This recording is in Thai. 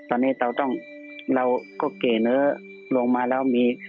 ตอนนี้เราก็เก่เนื้อลงมาแล้วมี